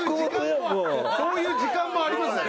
そういう時間もあります。